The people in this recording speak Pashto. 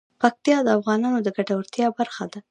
پکتیا د افغانانو د ګټورتیا برخه ده.